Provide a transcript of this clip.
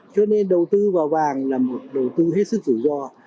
cho nên đầu tư vào vàng là một đầu tư hết sức rủi ro